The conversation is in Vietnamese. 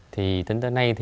thì tính tới nay